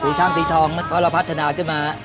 ช่างสีทองเพราะเราพัฒนาขึ้นมา